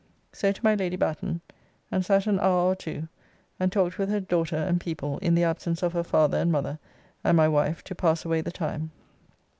So to my Lady Batten, and sat an hour or two, and talked with her daughter and people in the absence of her father and mother and my wife to pass away the time.